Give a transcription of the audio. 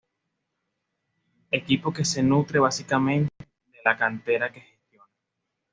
Equipo que se nutre básicamente de la Cantera que gestiona.